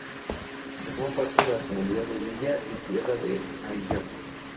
Formó parte de la Comunidad de Villa y Tierra de Ayllón.